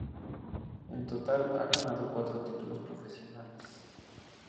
En total ha ganado cuatro títulos profesionales.